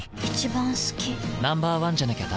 Ｎｏ．１じゃなきゃダメだ。